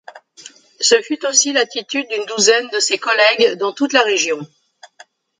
Ce fut aussi l'attitude d'une douzaine de ses collègues dans toute la région.